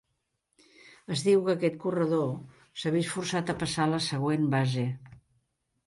Es diu que aquest corredor s'ha vist forçat a passar a la següent base.